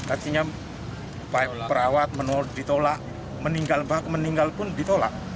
artinya perawat ditolak meninggal pun ditolak